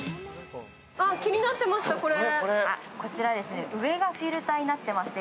気になってました、これ。